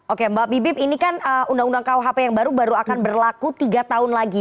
oke mbak bibip ini kan undang undang kuhp yang baru baru akan berlaku tiga tahun lagi